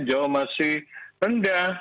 jauh masih rendah